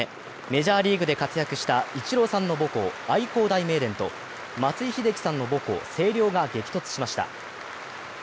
メジャーリーグで活躍したイチローさんの母校、愛工大名電と松井秀喜さんの母校、星稜が激突しました。